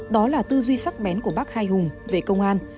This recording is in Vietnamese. đó là tư duy sắc bén của bác hai hùng về công an